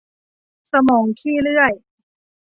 สมองขี้เลื้อย